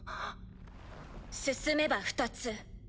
進めば２つ。